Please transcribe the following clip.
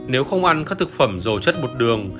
nếu không ăn các thực phẩm dầu chất bột đường